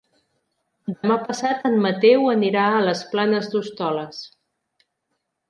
Demà passat en Mateu anirà a les Planes d'Hostoles.